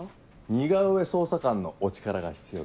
似顔絵捜査官のお力が必要でな。